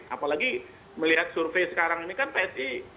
apalagi melihat survei sekarang ini kan psi